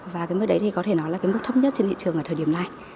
và cái mức đấy thì có thể nói là cái mức thấp nhất trên thị trường ở thời điểm này